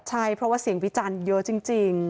ใช่เพราะว่าเสียงวิจารณ์เยอะจริง